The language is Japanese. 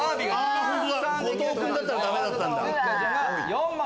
後藤君だったらダメだったんだ。